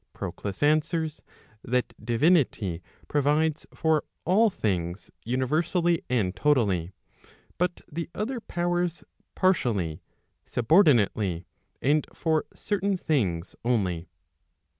Proclus answers, that divinity provides for all things universally and totally, but the other powers partially, sub¬ ordinate^, and for certain things only.